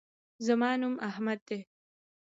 زما نوم احمد دی